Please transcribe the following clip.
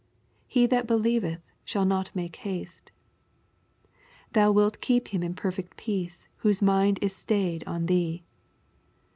" He that be lieveth shall not make haste." " Thou wilt keep him in perfect peace whose mind is staid on thee."